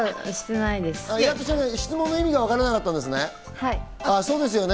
質問の意味がわからなかったんですかね。